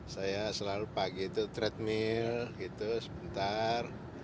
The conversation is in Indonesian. saya selalu pagi itu treadmil gitu sebentar